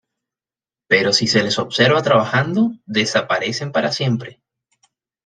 Pero si se les observa trabajando, desaparecen para siempre.